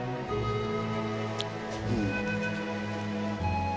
うん。